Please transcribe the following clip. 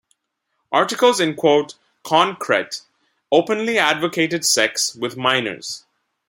Articles in "konkret" openly advocated sex with minors.